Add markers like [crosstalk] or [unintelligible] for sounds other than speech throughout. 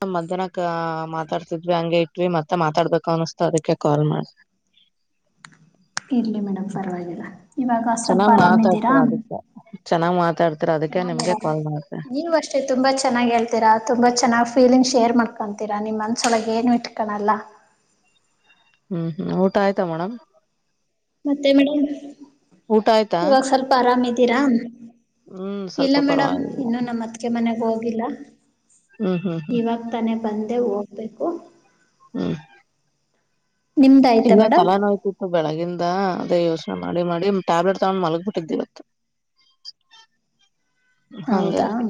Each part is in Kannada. ನ ಮಧ್ಯಾಹ್ನಕ್ಕ ಮಾತಾಡ್ತಿದ್ವಿ ಹಂಗೆ ಇಟ್ವಿ ಮತ್ತೆ ಮಾತಾಡ್ಬೇಕು ಅನಸ್ತ ಅದಕ್ಕೆ ಕಾಲ್ ಮಾಡಿ [inaudible] ಇರ್ಲಿ ಮೇಡಮ್ ಪರವಾಗಿಲ್ಲ ಇವಾಗ ಸ್ವಲ್ಪ ಆರಾಮ ಇದ್ದೀರಾ ಚನ್ನಾಗ್ ಮಾತಾಡ್ತ ಹಾ ಮೇಡ್ ನೀವ್ ಅಷ್ಟೆ ತುಂಬಾ ಚೆನ್ನಾಗ್ ಹೇಳ್ತೀರಾ ತುಂಬಾ ಚೆನ್ನಾಗ್ ಫೀಲಿಂಗ್ಸ್ ಶೇರ್ ಮಾಡ್ಕೊತೀರಾ ನಿಮ್ಮ ಅನಸೊಳಗೆ ಏನು ಇಟ್ಕಳಲ್ಲ ಹ್ಮ್ ಹ್ಮ್ ಊಟ ಆಯ್ತಾ ಮೇಡಮ್ ಮತ್ತೆ ಮೇಡಮ್ ಊಟ ಆಯ್ತಾ ಇವಾಗ ಸ್ವಲ್ಪ ಆರಾಮ್ದೀರಾ ಹ್ಮ್ ಸ್ವಲ್ಪ ಇಲ್ಲ ಮೇಡಮ್ ಪರವಾಗಿಲ್ಲ ಇನ್ನುೂ ನಮ್ಮ್ ಅತ್ತಿಗೆ ಮನೆಗ್ ಹೋಗಿಲ್ಲ ಹ್ಮ್ ಹ್ಮ್ ಇವಾಗ ತಾನೆ ಬಂದೆ ಹೋಗ್ಬೇಕು ಹ್ಮ್ ನಿಮ್ದ ಆಯ್ತಾ ಇಲ್ಲ ಮೇಡಮ್ ತಲಾ ನೋಯ್ತಿತ್ತು ಬೆಳಗಿಂದ ಯೋಚನೆ ಮಾಡಿ ಮಾಡಿ ಟ್ಯಾಬ್ಲೆಟ್ ತಗೊಂಡು ಮಲ್ಗ ಬಿಟ್ಟಿದ್ದಿವತ್ತು ಹೌದಾ ಹಂಗತ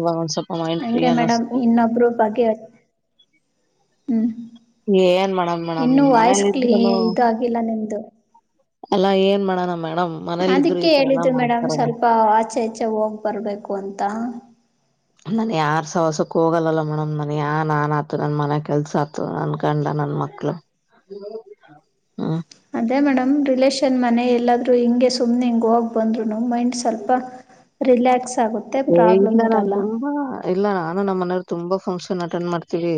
ಇವಾಗ ಒಂದ ಸ್ವಲ್ಪ ಮೈಂಡ್ ಫ್ರೀ ಹಂಗೆ ಮೇಡಮ್ ಅನ್ನಿಸಿಸತು [inaudible] ಇನ್ನೊಬ್ರು ಬಗೆ ಹ್ಮ್ ಇನ್ನುವಾಯ್ಸ್ ಮನೇಲಿ ಕ್ಲಿ ಇದ್ರುನು ಇದ ಆಗಿಲ್ಲ ನಿಮ್ದು ಅಲ್ಲಾ ಏನ್ ಮಾಡೋಣ ಮೇಡಮ್ ಮನೇಲಿ ಇದ್ರು ಅದಕ್ಕೆ ಈ ತರ ಎಲ್ಲಾ ಹೇಳಿದ್ದರು ಮೇಡಮ್ ಮಾಡ್ತಾರಲ್ಲ ಸ್ವಲ್ಪ ಆಚೆ ಆಚೆ ಹೋಗ್ ಬರ್ಬೇಕು ಅಂತ ನಾನ ಯಾರು ಸವಸಕ್ಕೂ ಹೋಗಲ್ಲಲ್ಲ ಮೇಡಮ್ ನನಗೆ ಯ ನಾನು ಆತು ನನ್ನ ಮನೆ ಕೆಲಸ ಆತು ನನ್ಕಂಡ ನನ್ನ ಮ ಹಲ ಹ್ಮ ಅದೇ ಮೇಡಮ್ ರಿಲೇಷನ್ ಮನೆ ಎಲ್ಲಾದ್ ಹಿಂಗೆ ಸುಮನೆ ಹಿಂಗ ಹೋಗಿ ಬಂದ್ರು ನ ಮೈಂಡ್ ಸ್ವಲ್ಪ ರಿಲಾಕ್ಸ್ ಏ ಇಲ್ಲ ನಾನ್ ತುಂಬಾ ಇಲ್ಲ ನಾ ನ ನಮ್ಮ ಮನೆಯ ತುಂಬಾ ಫಂಕ್ಷನ್ ಅಟೆಂಡ್ ಮಾಡ್ತೀವಿ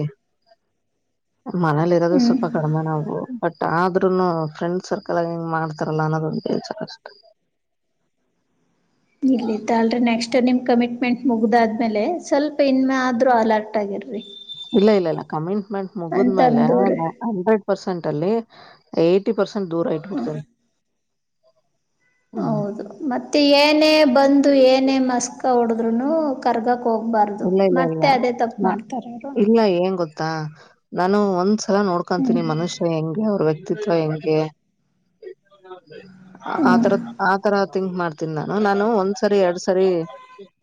ಮನೇಲಿ ಇರೋದು ಹ್ಞೂ ಸ್ವಲ್ಪ ಕಡಿಮೆ ನಾವು ಬಟ್ ಆದ್ರುನು ಫ್ರೆಂಡ್ ಸರ್ಕಲ್ ಹಿಂಗ್ ಮಾಡ್ತಾರಲ್ಲ ಅನ್ನೋದೊಂದು ಬೆಳ್ಸರ್ ಅಷ್ಟೆ [inaudible] ಇರ್ಲಿ ತಲ್ರಿ ನೆಕ್ಸ್ಟ್ ಇ ನಿಮ್ ಕಮಿಟ್ಮೆಂಟ್ ಮುಗ್ದಾದ್ಮೇಲೆ ಸ್ವಲ್ಪ ಇನ್ಮೆ ಆದ್ರರು ಅಲರ್ಟ್ ಆಗಿರಿ ಇಲ್ಲ ಇಲ್ಲ ಇಲ್ಲ ಕಮಿಟ್ಮೆಂಟ್ ಮುಗಿದ್ಮೇಲೆ ಅಂತಂದವ್ರೆ ಹಂಡ್ರೆಡ್ ಪರ್ಸೆಂಟ್ ಲ್ಲಿ ಏ್ಟ ಪರ್ಸೆಂಟ್ ದೂರ ಹಾಂ ಇಟ್ಬಿಡ್ತಾರೆ ಹೌದು ಮತ್ತೆ ಏನೇ ಬಂದು ಏನೇ ಮಸ್ಕ ಹೊಡದ್ರುೂನು ಕರ್ಗ ಹೋಗ್ಬಾರ್ದು ಇಲ್ಲ ಇಲ್ಲ ಇಲ್ಲ ಮತ್ತೆ ಅದೇ ತಪ್ಪ ಮಾಡ್ತಾರ ಇಲ್ಲ ಏನ್ ಗೊತ್ತಾ ನಾನು ಒಂದ್ಸಲ ಹ್ಞೂ ನೋಡ್ಕೊತೀನಿ ಮನುಷ್ಯ ಹೆಂಗೆ ಅವ್ರ ವ್ಯಕ್ತಿ ಹೆಂಗೆ ಆ ಹ್ಞೂ ತರ ಆತರ ತಿಂಗ್ ಮಾಡ್ತೀನಿ ನಾನು ನಾನು ಒಂದ್ಸರಿ ಎರಡ್ ಸರಿ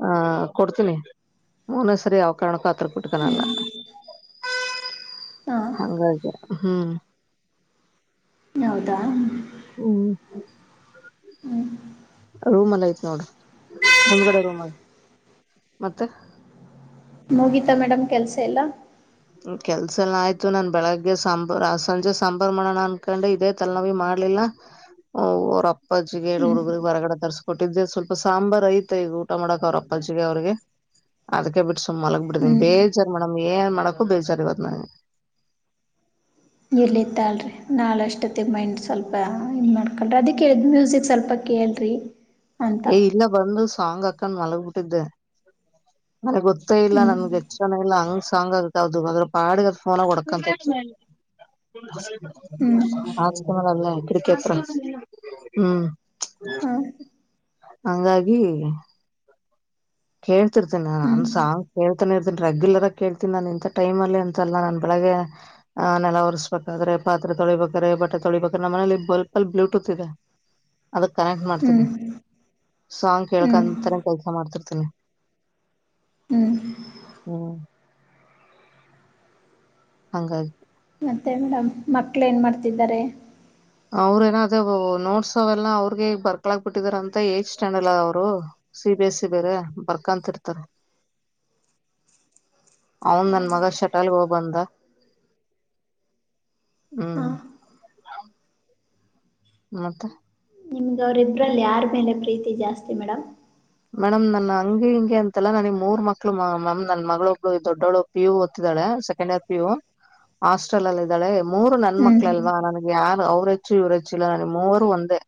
ಆಹ ಕೊಡ್ತೀನಿ ಹನ ಸರಿ ಅವಾವ ಕಣಕ [inaudible] ಹತ್ರ ಕುಟ್ಕನಲ್ಲ ಹಾಂ ಹಂಗೆ ಹಾ ಹ್ಮ ಹೌದಾ ಹ್ಮ ರೂಮ್ ಎಲ್ಲ ಐತಿ ನೋಡ್ರ ಮುಂದ್ಗಡೆ ರೂಮ್ ಮತ್ತೆ ಮುಗೀತಾ ಮೇಡಮ್ ಕೆಲ್ಸ ಎಲ್ಲಾ ಕೆಲ್ಸ ಎಲ್ಲ ಆಯ್ತು ನನ್ ಬೆಳಗ್ಗೆ ಸಾಂಬಾರ್ ಸಂಜೆ ಸಾಂಬಾರಾ ಮಾಡೋಣ ಅನ್ಕೊಂಡು ಇದೇ ತಲ್ ನವಿ ಮಾಡ್ಲಿಲ್ಲ ಹ ಓ ಅವ್ರಪ್ಪಜಿ ಹ್ಮ್ ಹುಡುಗ್ರಗ್ ಹೊರಗಡೆ ತರ್ಸ್ಕೊಟ್ಟಿದ್ರೆ ಸ್ವಲ್ಪ ಸಾಂಬಾರಾರ್ ಐತೆ ಈಗ ಊಟ ಮಾಡಕ್ ಅವ್ರ ಅಪ್ಪ ಅವ್ರಿಗೆ ಅದಕ್ಕೆ ಬಿಟ್ಟು ಸುಮ್ ಮಲಗಗ್ ಬಿಡ ಹ್ಮ್ ಬೇಜಾರ ಮೇಡಮ್ ಏನ್ ಮಾಡ ಬೇಚಾರಿ ಬತ ನ ಇರ್ಲತ್ತ ಅಲ್ರಿ ನಾಳ ಅಷ್ಟತ್ತ ಮೈಂಡ್ ಸ್ವಲ್ಪ ಇನ್ ಮಾಡ್ಕಳ್ರಿ ಅದಕ್ಕೆೇಳಿದ ಮ್ಯೂಸಿಕ್ ಸ್ವಲ್ಪ ಕೇಳ್ರಿ ಅಂತ ಏ ಇಲ್ಲ ಬಂದು ಸಾಂಗ್ ಅಕ್ಕನ್ ಮಲಗ್ ಬಿಟ್ಟಿದ್ದೆ ನನಗ್ ಗೊತ್ತೇ ಇಲ್ಲ ಹ್ಮ್ ನನ್ಗೆ ಎಚ್ಚನ ಇಲ್ಲ ಹಂಗ್ ಸಾಂಗ್ ಆಗದು ಅದ್ರ ಪಾಡಗದ ಫೋನಾಗ ಹೊಡಕಂತ ಹ್ಮ್ ಹ ತಂಬ ನಲ್ಲ ಕ್ರಿಕೇತ್ರರ ಹ್ಮ್ ಹಾಂ ಹಂಗಾಗಿ ಕೇಳ್ತಿತಿ ಹ್ಮ್ ನಾನನ್ ಸಾಂಗ್ ಕೇಳ್ತಾನ ಇರತಿ ರೆಗ್ಯುಲರ್ ಆಗ ಕೇತಿ ನನ್ ಇ ಟೈ ಅಲ್ಲಿ ಅಂತಸಲ್ಲ ನನ್ಳ ಹಾಗೆ ಆ ನೆಲ ಒರ್ಸ್ಕಾದ್ರೆ ಪಾತ್ರೆ ತೊಳಿಬೇಕ್ರೆ ಬಟ್ಟೆ ತೊಳಿಬೇಕ್ರೆ ನಮ್ಮ ಮನೇೆಯಲ್ಲಿ ಬಲ್ಲ್ ಬ್ಲೂಟೂತ್ ಇದೆ ಅದಕ್ ಕನೆಕ್ಟ್ ಹ್ಮ್ ಮಾಡ್ತೀನವಿ ಸಾಂಗ್ ಹ್ಮ್ ಕೇಕಂತಾನ ಕೆಲ್ಸ ಮಾಡ್ತವಿಿ ಹನ್ನ ಹ್ಮ್ ಹ್ಮ್ ಹಾಗಾಗಿ ಮತ್ತೆ ಮೇಡಮ್ ಮಕ್ಳ ಏನ್ ಮಾಡ್ತಿದ್ದಾರೆ ಅವ್ರಏನ ಅದೇ ನೋಡ್ಸ ಅವೆಲ್ಲ ಅವ್ರಗೆಗ್ ಬರ್ಕಳಾಕ್ ಬಿಟ್ಟಿದಾರಂತ ಏಜ್ ಸ್ಟ್ಯಾಂಡ್ರ್ ಅದ ಅವ್ರು ಸಿ ಬಿ ಎಸ್ ಸಿ ಬೇರೆ ಬರ್ಕಂತರ್ತಾರ ಹೌದನ್ ಮಗ ಶಟಾಲ್ ಹಬಂದ ಹ್ಮ್ ಮತ್ತ ನಿಮ್ಗೆ ಅವರುಬ್ರಲ್ಲಿ ಯಾರ ಮೇಲೆ ಪ್ರೀತಿ ಜಾಸ್ತಿ ಮೇಡಮ್ ಮೇಡಮ್ ನನ್ ಹಂಗಿ ಹಿಂ ಅಲ್ಲ ನನಗ್ ಮೂರ್ ಮಕ್ಳು ಮ್ಯಾಮ್ ನನ್ ಮಗಳ ಒಬ್ಬಳ ದೊಡ್ಡೊಡ ಪಿುಓದತ್ತತಾಳೆ ಸೆಕೆಂಡ್ ಇರ್ ಪಿ ಯು ಹಾಸ್ಟೆಲ್ ಅಲ್ಲಿ ಇದ್ದಾಳೆ ಮೂರು ನನ್ ಮಕ್ಳ ಹ್ಮ್ ಅಲ್ವಾ ನನ್ಗೆ ಯಾರು ಅವ್ರ ಹಚ್ಚಿ ಉರಚಿಲ್ಲಾನ ಮೂರು ಒಂದೆ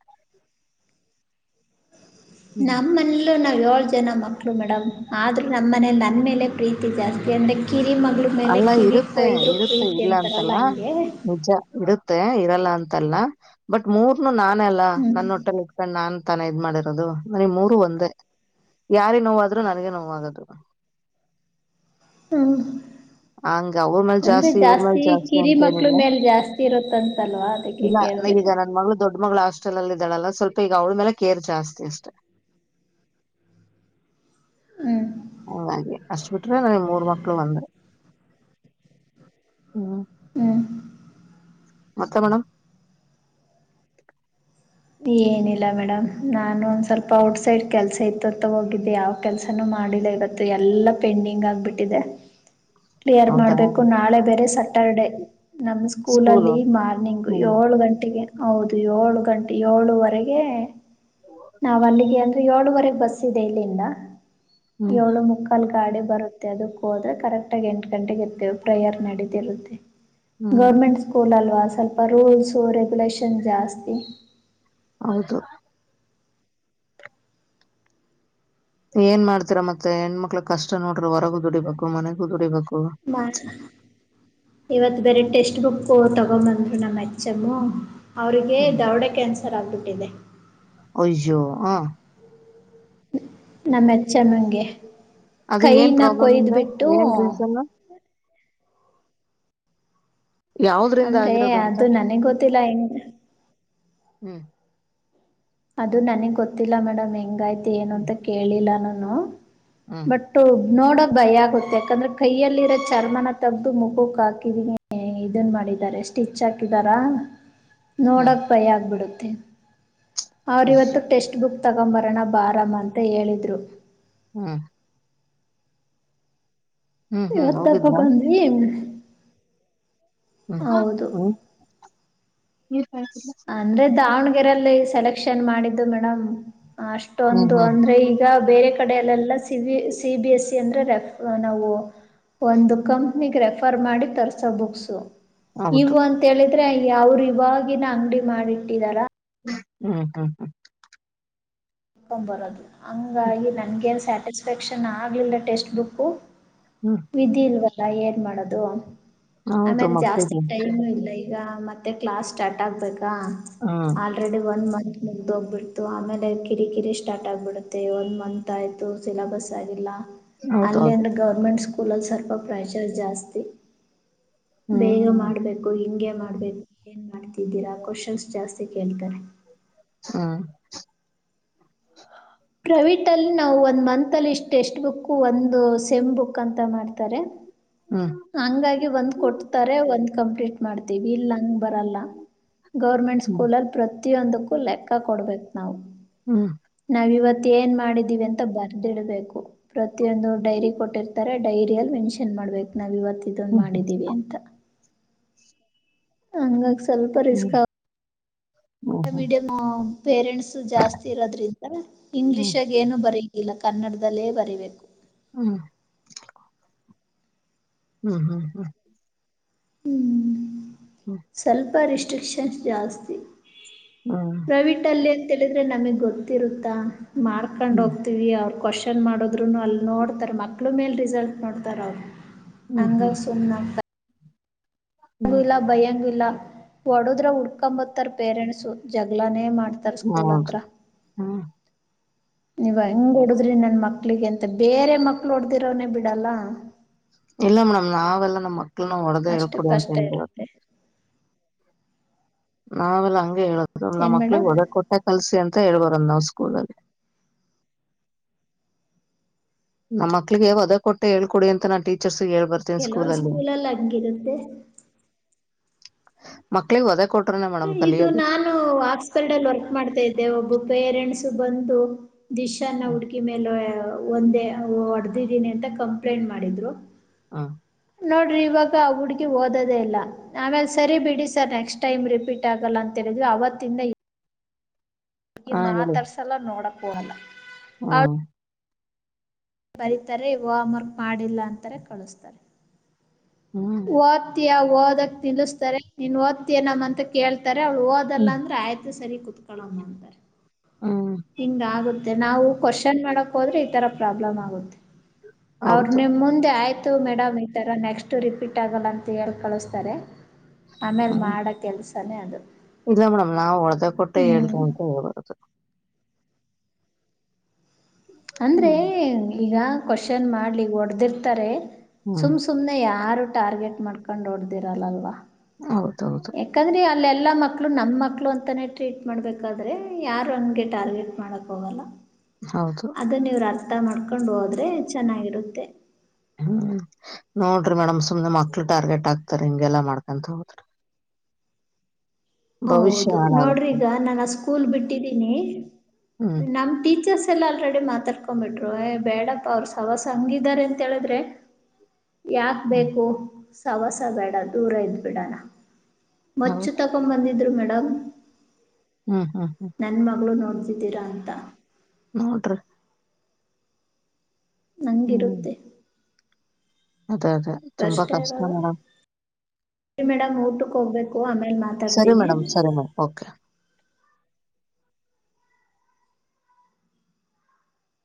ನಮ್ಮನಲ್ಲೂ ನಾವವು ಏಳು ಜನ ಮಕ್ಳು ಮೇಡಮ್ ಆದ್ರೂ ನಮ್ಮ ಮನೇಲಿ ನನ್ ಮೇಲೆ ಪ್ರೀತಿ ಜಾಸ್ತಿ ಅಂದ್ರೆ ಕಿರಿ ಮಗಳ ಮೇಲೆ ಅಲ್ಲ ಕಿರಿ ಇರುತ್ತೆ ಕೊೋಯ್ದ್ರು ಪ್ರೀತಿ ಅಂತಾರಲ್ಲ ಹಂಗೆ ಇಡುತ್ತೆ ಇರಲ್ಲ ಅಂತಲ್ಲ ಬಟ್ ಮೂರ್ನು ನಾನ ಅಲ್ಲಾ ಹ್ಞೂ ನನ್ನೊಟ್ಟಲ್ಲಿ ನಾನ್ ತನ ಇದ್ ಮಾಡಿರೋದು ನನ ಮೂರು ಒಂದೇ ಯಾರಿ ನೋವಾದ್ರು ನನಗೆ ನೋವಾಗದುರು ಹ್ಞೂ ಹಂಗ ಅವ್ರ ಮೇಲ್ ಅಂದರೆ ಜಾಸ್ತಿ ಇವ್ರ ಮೇಲ್ ಜಾಸ್ತಿ ಕಿರಿ ಮಕ್ಳ ಅಂತೇಏನಿಲ್ಲ ಮೇಲೆ ಜಾಸ್ತಿ ಇರುತ್ತಂತಲ್ವಾ ಅದಕ್ಕೆ ಇಲ್ಲ ಕೇಳಿದೆ ಈಗ ನ ಮಳ ದೊಡ್ಡ ಮಳ ಹಾಸ್ಟೆಲ್ ಅಲ್ಲ ಇದಾಳಲ್ಲ ಸ್ವಲ್ಪ ಈಗ ಅವ್ಳ ಮೇಲೆ ಕೇರ್ ಜಾಸ್ತಿ ಅಷ್ಟೆ [inaudible] ಹ್ಞೂ ಹಂಗೆ ಅಷ್ಟ ಬಿಟ್ರೆ ನ ಮೂರ್ ಮಕ್ಳು ಬಂದೆ ಹಾ ಮತ್ತೆ ಮೇಡಮ ಏನಿಲ್ಲ ಮೇಡಮ್ ನಾನು ಒಂದ್ ಸ್ವಲ್ಪ ಔಟ್ಸೈಡ್ ಕೆಲ್ಸ ಇತ್ತುತ್ತ ಹೋಗಿದ್ದೆ ಯಾವ ಕೆಲ್ಸನ ಮಾಡಿಲ್ಲ ಇವತ್ತು ಎಲ್ಲಾ ಪೆಂಡಿಂಗ್ ಆಗ್ಬಿಟ್ಟಿದೆ [inaudible] ಕ್ಲಿಯರ್ ಹೌದಾ ಮಾಡ್ಬೇಕು ನಾಳೆ ಬೇರೆ ಸಟರ್ಡೆೇ ನಮ್ಮ ಸ್ಕೂಲು ಸ್ಕೂಲಲ್ಲಿ ಮಾರ್ನಿಂಗ್ ಹ್ಮ್ ಏಳು ಗಂಟೆಗೆ ಹೌದು ಏಳು ಗಂಟೆ ಏಳುವರೆಗೆ ನಾವ ಅಲ್ಲಿಗೆ ಅಂದ್ರೆ ಏಳುವರೆಗೆ ಬಸ್ ಇದೆ ಇಲ್ಲಿಂದ ಹ್ಮ್ ಎವಳೋ ಮುಕ್ಕಾಲ್ ಗಾಡೆ ಬರುತ್ತೆ ಅದಕ್ಕ ಹೋದ್ರ ಕರೆಕ್ಟ ಆಾಗಿ ಎಂಟು ಗಂಟೆಗೆ ಇರ್ತ್ತೇವೆ ಪ್ರೇಯರ್ ನಡೀತಿ ಇರುತ್ತೆ ಹ್ಮ್ ಗೌರ್ಮೆಂಟ್ ಸ್ಕೂಲ್ ಅಲ್ವಾ ಸ್ವಲ್ಪ ರೂಲ್ಸ್ ರೆಗ್ಯುಲೇಷನ್ ಜಾಸ್ತಿ ಹೌದು ಏನ್ ಮಾಡ್ತೀರ ಮತ್ತೆ ಹೆಣ್ಮಕ್ಳ ಕಷ್ಟ ನೋಡ್ರಿ ಹೊರಗು ದುಡಿಬೇಕು ಮನೆಗೂ ದುಡಿಬೇಕು ಬ ಇವತ್ತು ಬೇರೆ ಟೆಕ್ಸ್ಟ್ ಬುಕ್ ತಗೊ ಬಂದ್ರು ನಮ್ಮ ಹೆಚ್ ಎಂ ಅವ್ರರಿಗೆ ಹ್ಮ್. ದೌಡ ಕ್ಯಾನ್ಸ ಹೆಸರಾಗಿಬಿಟ್ಟಿದೆ ಅಯ್ಯೋ ಹ್ಮ್ ನಮ್ಮ ಹೆಚ್ಚಮ್ಮಂಗೆ ಅದು ಏನ್ ಕೈನ ಪ್ರಾಬ್ಲಮ್ ಕೊಯ್ದ್ ಇಂದ ಬಿಟ್ಟು ಏನ್ ರೀಸನ್ ಯಾವ್ದ್ರಿಂದ ಅಂದ್ರೆ ಆಗಿರೋದು ಅಂತ ಅದು ನನಗ್ ಗೊತ್ತಿಲ್ಲ ಹೆಂಗ ಹ್ಮ್ ಅದು ನನಗ್ ಗೊತ್ತಿಲ್ಲ ಮೇಡಮ್ ಹೆಂಗಾಯ್ತು ಏನು ಅಂತ ಹ್ಮ್ ಕೇಳಿಲ್ಲ ನಾನು ಹ್ಮ್ ಬಟ್ ನೋಡ ಭಯ ಆಗುತ್ತೆ ಯಾಕಂದ್ರೆ ಕೈಯಲ್ಲಿ ಇರೋ ಚರ್ಮನ ತಗ್ದು ಮುಖಕ್ ಹಾಕಿದ ಇದನ್ ಮಾಡಿದ್ದಾರೆ ಸ್ಟಿಚ್ ಹಾಕಿದಾರಾ ಹ್ಮ್ ನೋಡಕ್ ಭಯ ಆಗ್ಬಿಡುತ್ತೆ ಅವ್ರ ಇವತ್ತು ಅಯ್ಯೋ ಟೆಕ್ಸ್ಟ್ ಬುಕ್ ತಗ [unintelligible] ಬರಣ ಬಾರಂ ಅಂತೆ ಹೇಳಿದ್ರು ಹ್ಮ ಹ್ಮ್ ಹ್ಮ್ ಇವತಪ್ಪ ಹೋಗಿದ್ರಾ ಬಂದ್ ಏ ಹ ಹ್ಮ ದಾವಣ್ಗೆರೆಯಲ್ಲಿ ಸೆಲೆಕ್ಷನ್ ಮಾಡಿದ್ದು ಮೇಡಮ್ ಹ್ಮ್ ಅಷ್ಟೊಂದು ಹ್ಮ್ ಅಂದ್ರೆ ಈಗ ಬೇರೆ ಕಡೆೆಯಲ್ಲೆಲ್ಲ C B C B S C ಅಂದ್ರೆ ರೆಫ ನಾವು ಒಂದು ಕಂಪ್ನಿಗೆ ರೆಫರ್ ಮಾಡಿ ತರ್ಸೋ ಬುಕ್ಸು ಹೌದು ಇವು ಅಂತ ಹೇಳಿದ್ರೆ ಯ ಅವ್ರು ಇವಾಗಿನ ಅಂಗಡಿ ಮಾಡಿಟ್ಟಿದಾರ ಹ್ಮ್ ಹ್ಮ್ ಹ್ಮ್ [inaudible] [unintelligible] ಬರೋದು ಹಂಗಾಗಿ ನನ್ಗೇನು ಸ್ಯಾಟಿಸ್ಫ್ಯಾಕ್ಷನ್ ಆಗ್ಲಿಲ್ಲ ಟೆಸ್ಟ್ ಬುಕ್ಕು ಹ್ಮ್ ವಿಧಿ ಇಲ್ವಲ್ಲ ಏನ್ ಮಾಡೋದು ಹೌದು ಆಮೇಲೆ ಜಾಸ್ತಿ ಮಕ್ಕಳಿಗೆ ಟೈಮು ಇಲ್ಲ ಈಗ ಮತ್ತೆ ಕ್ಲಾಸ್ ಸ್ಟಾರ್ಟ್ ಆಗ್ಬೇಕ ಹ್ಮ್ ಆಲ್ರೆಡಿ ಒ ಮತ್ ಮುಗ್ದೋಗ್ಬಡ್ತು ಆಮೇಲೆ ಕಿರಿಕಿರಿ ಸ್ಟಾರ್ಟ್ ಆಗಿಬಿಡುತ್ತೆ ಒಂದು ಮಂತ್ ಆಯಿತು ಸಿಲಬಸ್ ಆಗಿಲ್ಲ ಹೌದು ಅಲ್ಲಿ ಹೌದು ಅಂದ್ರೆ ಗೌರ್ಮೆಂಟ್ ಸ್ಕೂಲ್ ಅಲ್ಲಿ ಸ್ವಲ್ಪ ಪ್ರೆಶರ್ ಜಾಸ್ತಿ ಬೇಗ ಹ್ಮ್ ಮಾಡ್ಬೇಕು ಹಿಂಗೆ ಮಾಡ್ಬೇಕು ಏನ್ ಮಾಡ್ತಿದ್ದೀರಾ ಕ್ವಶನ್ಸ್ ಜಾಸ್ತಿ ಕೇಳ್ತಾರೆ ಹಾ ಪ್ರೈವಿಟ್ ಅಲ್ಲಿ ನಾವು ಒಂದ್ ಮಂತ್ ಅಲ್ಲಿ ಇಷ್ಟ್ ಟೆಕ್ಸ್ಟ್ ಬುಕ್ ಒಂದು ಸೆಮ್ ಬುಕ್ ಅಂತ ಮಾಡ್ತಾರೆ ಹ್ಮ್ ಹಂಗಾಗಿ ಒಂದ್ ಕೊಡ್ತಾರೆ ಒಂದ್ ಕಂಪ್ಲೀಟ್ ಮಾಡ್ತೀವಿ ಇಲ್ಲಂಗ ಬರಲ್ಲ ಗೌರ್ಮೆಂಟ್ ಹ್ಮ್ ಸ್ಕೂಲ್ಲ್ಲಿ ಪ್ರತಿಯೊಂದಕ್ಕೂ ಲೆಕ್ಕ ಕೊಡ್ಬೇಕು ನಾವು ಹ್ಮ್ ನಾವ ಇವತ್ ಮತ್ತ ಏನ್ ಮಾಡಿದೀವಿ ಅಂತ ಬರ್ದಿಡಬೇಕು ಪ್ರತಿಯೊಂದು ಡೈರಿ ಕೊಟ್ಟಿರ್ತಾರೆ ಡೈರಿ ಅಲ್ಲಿ ಮೆನ್ಷನ್ ಮಾಡ್ಬೇಕು ನಾವ ಇವತ್ತ ಇದೊಂದು ಹ್ಮ್ ಮಾಡಿದ್ದೀವಿ ಅಂತ ಹಂಗಾಗ ಸ್ವಲ್ಪ ಹ್ಮ್ ರಿಸ್ಕ್ ಆ ಹ್ಮ್ ಹ್ಮ್ ಮೀಡಿಯಂ ಪೇರೆಂಟ್ಸ್ ಜಾಸ್ತಿ ಇರೋದ್ರಿಂದ ಹ್ಮ್ ಇಂಗ್ಲಿೀಷ್ಗ ಏನು ಬರ ಇಲ್ಲ ಕನ್ನಡದಲ್ಲೇ ಬರಿಬೇಕು ಹ್ಮ್ ಹ್ಮ್ ಹ್ಮ್ ಹ್ಮ್ ಹ್ಮ್ ಸ್ವಲ್ಪ ರೆಿಸ್ಟ್ರಿಕ್ಷನ್ಸ್ ಜಾಸ್ತಿ ಹ್ಮ್ ಪ್ರವಿಟ್ ಅಲ್ಲಿ ಅಂತಂತಳಿದ್ರೆ ನಮಗ್ ಗೊತ್ತಿರುತ್ತಾ ಮಾರ್ಕೊಂಡು ಹೋಗ್ತೀವಿ ಅವ್ರ ಕ್ವಶನ್ ಮಾಡದ್ರು ಅಲ್ಲಿ ನೋಡ್ತಾರ ಮಕ್ಳು ಮೇಲ್ ರಿಸಲ್ಟ್ ನೋಡ್ತಾರ ಅವರು ಹ್ಮ್ ಹಂಗ ಹ್ಮ್ ಸುಮ್ನೆ ಆತ ಂಗು ಹ್ಮ್ ಇಲ್ಲ ಭಯನ್ನು ಇಲ್ಲ ಹೊಡದ್ರ ಉುಡ್ಕೊಂಬತ್ತಾರ ಪೇರೆಂಟ್ಸು ಜಗ್ಗಳಾನೇ ಮಾಡ್ತಾರ ಸ್ಕೂಲ್ ಹತ್ರ ಹೌದು ಹ್ಮ್ [inaudible] ನೀವ ಹಂಗ ಹೊಡದ್ರಿ ನನ್ ಮಕ್ಳಿಗೆ ಅಂತ ಬೇರೆ ಮಕ್ಳು ಹೊಡ್ದಿರವನನೆ ಬಿಡಲ್ಲ ಇಲ್ಲ ಮೇಡಮ್ ನಾವೆಲ್ಲಾ ನಮ್ಮ್ ಮಕ್ಳನ್ನ ಹೊಡೆದ ಅಷ್ಟು ಹೇಳ್ಕೊಡಿ ಅಂತ ಕಷ್ಟ ಹೇಳ್ಬದು ಇರುತ್ತೆ ನಾವೆಲ್ಲಾ ಹಂಗೆ ಹೇಳುದು್ ನಮ್ಮ ಏನು ಮಕ್ಳಗ್ ಮೇಡಮ್ ಒಳಗ್ ಕೊಟ್ಟ ಕಲ್ಸಿ ಅಂತ ಮತ್ತ ಹೇಳ್ಬರಂದ ನಾವ್ ಸ್ಕೂಲ್ಲ್ಲಿ ನಮ್ಮ ಮಕ್ಕಲಿಗೆ ವಧೆ ಕೊಟ್ಟೆ ಹೇಳ್ಕೊಡಿ ಅಂತ ನಾ ಟೀಚರ್ಸ್ ಹೇಳ್ ಬರ್ತೇನ ಸ್ಕೂಲ್ ಕೆಲವೊಂದು ಅಲ್ಲಿ ಸ್ಕೂಲಲ್ಲಿ ಹಂಗಿರುತ್ತೆ ಮಕ್ಕಳಿಗೆ ಹಓದಕ್ ಇದು ನಾನು ಆಾಸ್ಕಲ್ಡಲ್ಲಿ ವರ್ಕ್ ಮಾಡ್ತಾ ಇದ್ದೆ ಒಬ್ಬ ಪೇರೆಂಟ್ಸು ಬಂದು ದಿಶ್ನ್ನ ಹುಡ್ಕಿ ಮೇಲೆ ಒಂದೇ ಹೊಡೆದಿದ್ದೀನಿ ಅಂತ ಕಂಪ್ಲೇಂಟ್ ಮಾಡಿದ್ರು ಹ ನೋಡ್ರಿ ಇವಾಗ ಆ ಹುಡ್ಗಿ ಓದೋದೇ ಇಲ್ಲ ಆಮೇಲೆ ಸರಿ ಬಿಡಿ ಸರ್ ನೆಕ್ಸ್ಟ್ ಟೈಮ್ ರಿಪೀಟ್ ಆಗಲ್ಲ ಅಂತಿ ಅವತ್ತಿಂದ ಅಿ ಹೇಳಿ ಮಾತಾಡ್ಸಲ್ಲ ನೋಡಕ್ ಹೋಲ್ಲ ಹಾ ಬರೀತರೆ ಹೋಮ್ ವರ್ಕ್ ಮಾಡಿಲ್ಲ ಅಂತಾರೆ ಕಳಿಸ್ತಾರೆ ಹ್ಮ್ ಓದ್ತಯ ಓದಕ್ ನಿಲ್ಿಸಸ್ತಾರೆ ನೀನ್ ಓದ್ತೀಯ ನಮ ಅಂತ ಕೇಳ್ತ ಅವಳು ಹೋದಲ್ಲ ಹ್ಮ್ ಅಂದ್ರೆ ಆಯ್ತು ಸರಿ ಕುೂತ್ಕಳಮ್ಮ ಅಂತಾರೆ ಹ್ಮ್ ಹಿಂಗ ಆಗುದ ಮೆ ನಾವು ಕ್ವಶನ್ ಮಾಡಕ್ ಹೋದ್ರೆ ಈ ತರ ಪ್ರಾಬ್ಲಮ್ ಆಗುತ್ತೆ ಅವರು ಹೌದು ನಿಮ ಮುಂದೆ ಆಯ್ತು ಇ ಮೇಡಮ್ ಈಥರ ನೆಕ್ಸ್ಟ್ ರಿಪೀಟ್ ಆಗಲ್ಲ ಅಂತ ಹೇಳಿ ಕಳಿಸ್ತಾರೆ ಆಮೇಲ್ ಹ್ಮ್ ಮಾಡ ಕೆಲ್ಸನೇ ಅದು ಇಲ್ಲ ಮೇಡಮ್ ನಾವು ಒಡ್ತಾ ಕೊಟ್ಟೆ ಹೇಳ್ರಿ ಹ್ಮ್ ಅಂತ ಹೇಳೇೋದು ಅಂದ್ರೆ ಹ್ಮ್ ಈಗ ಕ್ವಶನ್ ಮಾಡ್ಲಿ ಹೊಡೆದಿರ್ತಾರೆ ಹ್ಮ್ ಸುಮ್ ಸುಮ್ನೆ ಯಾರು ಟಾರ್ಗೆಟ್ ಮಾಡ್ಕೊಂಡ್ ಓಡ್ದಿರಲ್ಲಲ್ವಾ ಹೌದೌದು ಯಾಕಂದ್ರೆ ಅಲ್ಲೆಲ್ಲ ಎಲ್ಲಾ ಮಕ್ಳು ನಮ್ಮ ಮಕ್ಳು ಅಂತಾನೇ ಟ್ರೀಟ್ ಮಾಡ್ಬೇಕಾದ್ರೆ ಯಾರು ಅನ್ಗೆ ಟಾರ್ಗೆಟ್ ಮಾಡಕ್ ಹೋಗಲ್ಲ ಹೌದು ಅದನ್ನ ಇವರು ಅರ್ಥ ಮಾಡ್ಕೊಂಡು ಹೋದ್ರೆ ಚೆನ್ನಾಗಿರುತ್ತೆ ಹ್ಮ ಹ್ಮ ನೋಡ್ರಿ ಮೇಡಮ್ ಸುಮ್ನೆ ಮಕ್ಳು ಟಾರ್ಗೆಟ್ ಆಗ್ತಾರ ಹಿಂಗೆಲ್ಲಾ ಮಾಡ್ಕಂತ ಹೋದ್ರಿ [inaudible] ಹೌದು ನೋಡ್ರಿ ಈಗ ನಾನು ಆ ಸ್ಕೂಲ್ ಬಿಟ್ಟಿದ್ದೀನಿ ಹ್ಮ್ ನಮ ಟೀಚರ್ಸ್ ಲ್ಲ ಆಲ್ರೆಡಿ ಮಾತಾಡ್ಕೊ ಬಿಿಟ್ರು ಏ ಬೇಡಪ್ಪಾ ಅವರು ಸವಾಸ ಹಂಗಿದಾರೆ ಅಂತ ಹೇಳಿದ್ರೆ ಯಾಕ್ ಹ್ಮ್ ಬೇಕು ಸವಸ ಬೇಡ ದೂರ ಇದ್ ಬಿಡಣ ಮಚ್ಚು ಹೌದು ತಕೊ ಬಂದಿದ್ರು ಮೇಡಮ್ ಹ್ಮ್ ಹ್ಮ್ ಹ್ಮ್ ನನ್ ಮಗಳು ನೋಡ್ಸಿದ್ದೀರಾ ಅಂತ ನೋಡರಿಿ ಹ್ಮ್ ನಂಗಿರುತ್ತೆ ಅದೇ ಅದೇ ತುಂಬಾ ಕಷ್ಟ ಇರದು ಮೇಡಮ್ ಮೇಡಮ್ ಊಟಕ್ಕೆ ಹೋಗ್ಬೇಕು ಆಮೇಲೆ ಸರಿ ಮಾತಾಡ್ತೀನಿ ಮೇಡಮ ಸರಿ ಮೇಡಮ್ ಓಕೆ